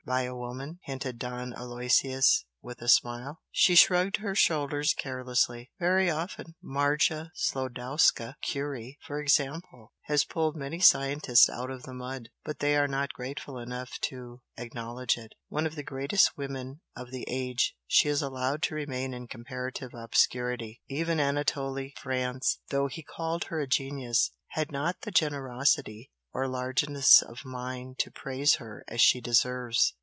"By a woman?" hinted Don Aloysius, with a smile. She shrugged her shoulders carelessly. "Very often! Marja Sklodowska Curie, for example, has pulled many scientists out of the mud, but they are not grateful enough to acknowledge it. One of the greatest women of the age, she is allowed to remain in comparative obscurity, even Anatole France, though he called her a 'genius,' had not the generosity or largeness of mind to praise her as she deserves.